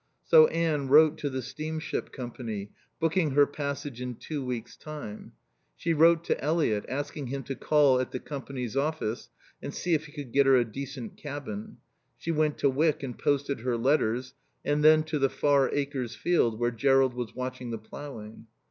So Anne wrote to the steamship company, booking her passage in two weeks' time; she wrote to Eliot, asking him to call at the company's office and see if he could get her a decent cabin. She went to Wyck and posted her letters, and then to the Far Acres field where Jerrold was watching the ploughing.